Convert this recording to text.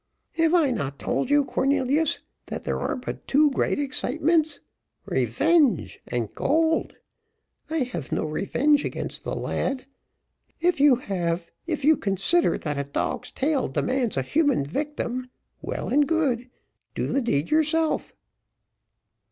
"Have I not told you, Cornelius, that there are but two great excitements revenge and gold? I have no revenge against the lad. If you have if you consider that a dog's, tail demands a human victim well and good do the deed yourself."